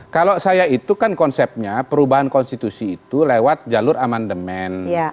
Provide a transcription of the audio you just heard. kalau saya itu kan konsepnya perubahan konstitusi itu lewat jalur amandemen